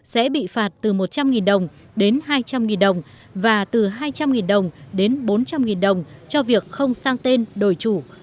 sẽ bị phạt từ một trăm linh đồng đến hai trăm linh đồng và từ hai trăm linh đồng đến bốn trăm linh đồng cho việc không sang tên đổi chủ